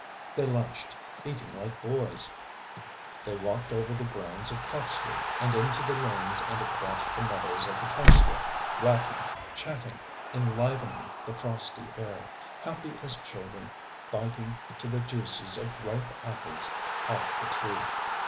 They lunched, eating like boys. They walked over the grounds of Copsley, and into the lanes and across the meadows of the cowslip, rattling, chatting, enlivening the frosty air, happy as children biting to the juices of ripe apples off the tree.